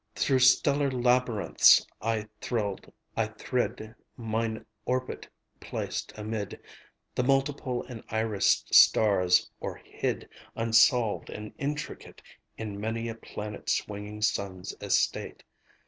Through stellar labyrinths I thrid Mine orbit placed amid The multiple and irised stars, or hid, Unsolved and intricate, In many a planet swinging sun's estate.